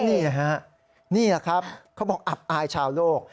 นี่แหละครับเขาบอกอับอายชาวโลก